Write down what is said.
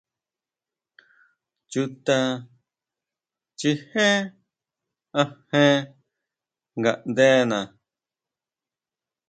Chuta chijé ajen ngaʼndena.